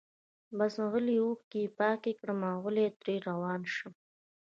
بس غلي اوښکي پاکي کړم اوغلی ترې روان شم